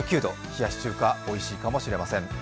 冷やし中華おいしいかもしれません。